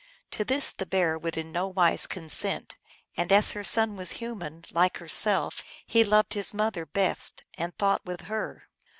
To this the Bear would in nowise consent, and as her son was human, like herself, he loved his mother best, and thought with her.